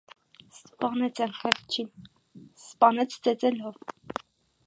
- Սպանեց էն խեղճին, սպանեց ծեծելով: